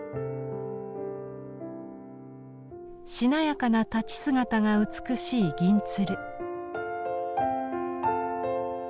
しなやかな立ち姿が美しい銀鶴。